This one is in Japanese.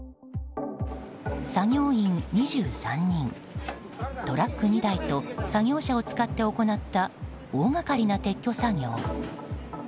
作業員２３人、トラック２台と作業者を使って行った大がかりな撤去作業。